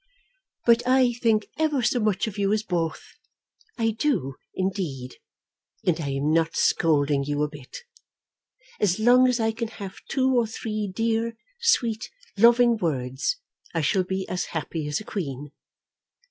But I think ever so much of you as both; I do, indeed; and I am not scolding you a bit. As long as I can have two or three dear, sweet, loving words, I shall be as happy as a queen.